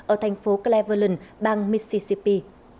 ở thành phố cleveland bang mississippi